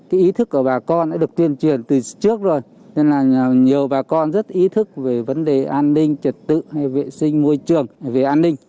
cái ý thức của bà con đã được tuyên truyền từ trước rồi nên là nhiều bà con rất ý thức về vấn đề an ninh trật tự hay vệ sinh môi trường về an ninh